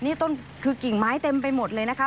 นี่ต้นคือกิ่งไม้เต็มไปหมดเลยนะคะ